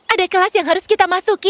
ada kelas yang harus kita masuki